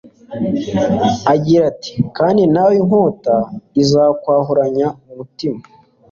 agira ati : "Kandi nawe inkota izakwahuranya umutima."